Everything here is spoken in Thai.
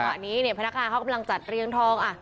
อันนี้เนี่ยพนักงานเขากำลังจัดเรียงทอง